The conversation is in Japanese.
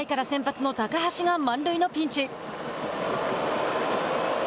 １回から先発の高橋が満塁のピンチ。